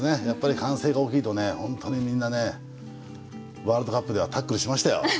やっぱり歓声が大きいと本当にみんなワールドカップではタックルしましたよ。